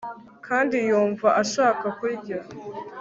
kandi yumva ashaka kurya